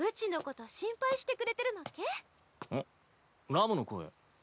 ラムの声？